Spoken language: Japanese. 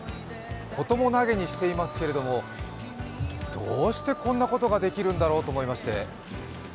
事もなげにしていますけれども、どうしてこんなことができるんだろうと思いまして。